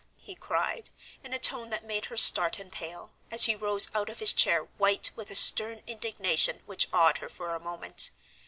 he cried, in a tone that made her start and pale, as he rose out of his chair white with a stern indignation which awed her for a moment.